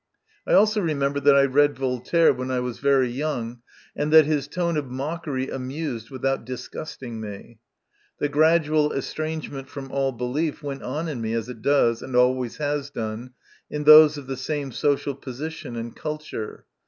I also remember that I read Voltaire when I was very young, and that his tone of mockery amused without disgusting me. The gradual estrange ment from all belief went on in me, as it does, and always has done, in those of the same social position and culture.